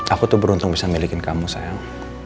aku tuh beruntung bisa milikin kamu sayang